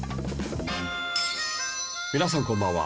皆さんこんばんは。